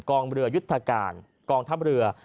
กองเรือยุทธการกองทัพเรือ